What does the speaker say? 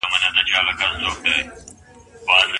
که تدریس علمي وي نو پوهنه رښتینې ده.